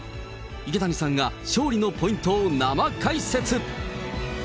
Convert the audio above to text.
池谷さんが勝利のポイントを生解説。